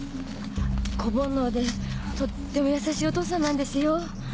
子煩悩でとても優しいお父さんなんですよ。